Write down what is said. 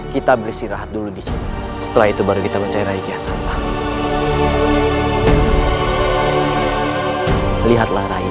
kita bersirah dulu disini setelah itu baru kita mencari rai kian santang lihatlah rai